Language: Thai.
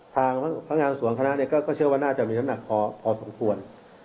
ทางพนักงานสวนคณะก็เชื่อว่าน่าจะมีน้ำหนักพอสมควร